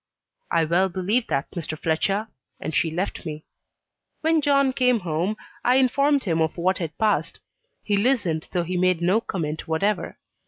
"I well believe that, Mr. Fletcher." And she left me. When John came home I informed him of what had passed. He listened, though he made no comment whatever.